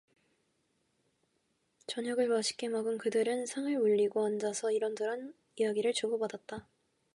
저녁을 맛있게 먹은 그들은 상을 물리고 앉아서 이런 이야기 저런 이야기를 주고받았다.